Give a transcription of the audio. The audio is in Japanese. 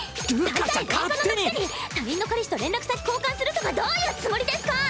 だいたいレンカノのくせに他人の彼氏と連絡先交換するとかどういうつもりですか